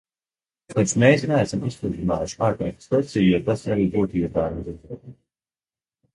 Taču mēs neesam izsludinājuši ārkārtas sesiju, jo tas arī būtībā nebija vajadzīgs.